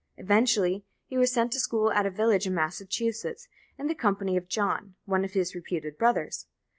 Eventually, he was sent to school at a village in Massachusetts, in the company of John, one of his reputed brothers.